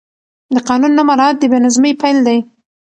د قانون نه مراعت د بې نظمۍ پیل دی